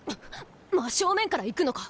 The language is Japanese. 真正面から行くのか？